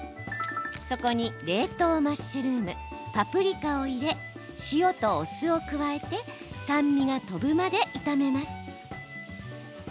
そこに、冷凍マッシュルームパプリカを入れ塩とお酢を加えて酸味が飛ぶまで炒めます。